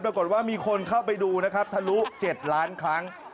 ปรากฏว่ามีคนเข้าไปดูนะครับทะลุ๗ล้านครั้ง